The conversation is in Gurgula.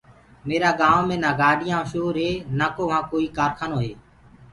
ميرآ گآئونٚ مي نآ گاڏيآنٚ ڪو شور هي نآڪو وهآن ڪوئي ڪارکانو هي